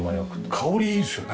香りいいですよね。